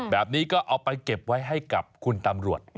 แบบนี้ก็เอาไปเก็บไว้ให้กับคุณตำรวจ